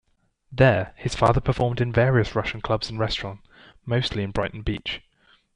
There, his father performed in various Russian clubs and restaurants, mostly in Brighton Beach.